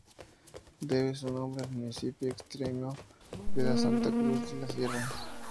Debe su nombre al municipio extremeño de Santa Cruz de la Sierra.